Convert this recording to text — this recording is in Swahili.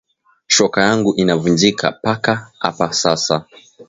Shoka yangu ina vunjika paka apa sasa